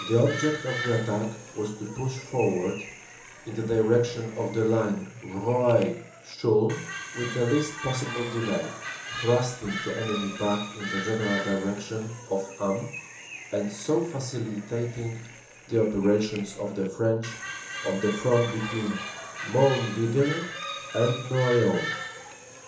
"The object of the attack was to push forward in the direc tion of the line Roye Chaulnes with the least possible delay, thrusting the enemy back in the general direction of Ham, and so facilitating the operations of the French on the front between Montdidier and Noyon."